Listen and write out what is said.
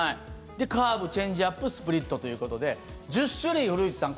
カーブ、チェンジアップスプリットということで１０種類、古市さん